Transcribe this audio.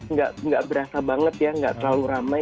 nggak berasa banget ya nggak terlalu ramai